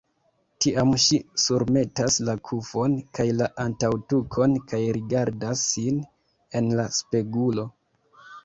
Tiam ŝi surmetas la kufon kaj la antaŭtukon kaj rigardas sin en la spegulo.